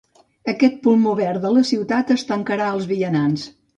Aquest pulmó verd de la ciutat es tancarà als vianants.